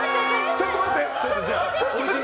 ちょっと待って。